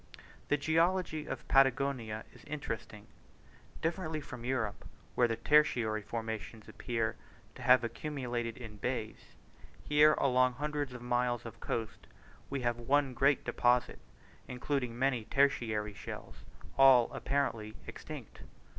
The geology of Patagonia is interesting. Differently from Europe, where the tertiary formations appear to have accumulated in bays, here along hundreds of miles of coast we have one great deposit, including many tertiary shells, all apparently extinct.